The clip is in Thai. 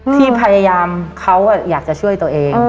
ที่พยายามเขาอยากจะช่วยตัวเอง